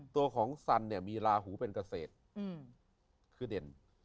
ตัวของสันเนี่ยมีลาหูเป็นเกษตรคือเด่น